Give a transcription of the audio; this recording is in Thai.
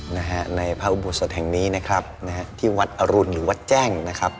นะฮะในพระอุโบสถแห่งนี้นะครับนะฮะที่วัดอรุณหรือวัดแจ้งนะครับ